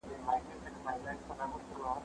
هغه وويل چي تمرين مهم دي!